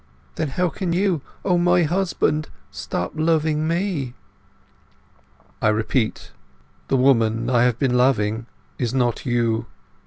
Then how can you, O my own husband, stop loving me?" "I repeat, the woman I have been loving is not you."